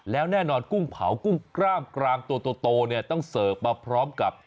แล้วแน่นอนกุ้งเผากุ้งกล้ามกรามตัวโตเนี่ยต้องเสิร์ฟมาพร้อมกับ